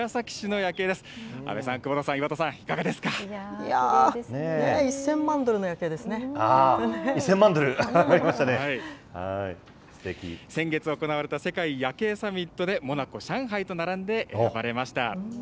先月行われた世界夜景サミットで、モナコ、上海とならんで選ばれました。